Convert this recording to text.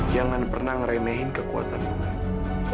jangan pernah ngeremehin kekuatan bunganya